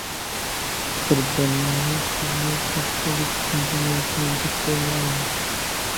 Sirdaryolik qizni Rossiyaga fohishalik uchun jo‘natayotgan yigit qo‘lga olindi